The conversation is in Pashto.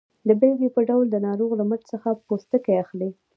د بیلګې په ډول د ناروغ له مټ څخه پوستکی اخلي.